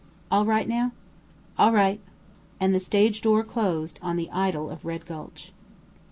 "All right now?" "All right." And the stage door closed on the Idyl of Red Gulch.